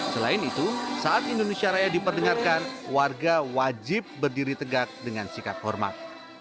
selain itu saat indonesia raya diperdengarkan warga wajib berdiri tegak dengan sikap hormat